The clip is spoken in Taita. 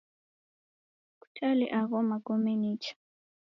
Kutale agho magome nicha.